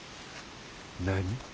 何？